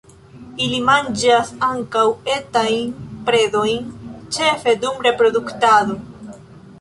Ili manĝas ankaŭ etajn predojn, ĉefe dum reproduktado.